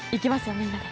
みんなで。